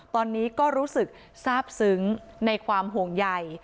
ตอนนี้ก็รู้สึกทราบซึ้งในความห่วงใย